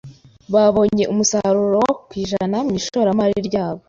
Babonye umusaruro wa ku ijana mu ishoramari ryabo.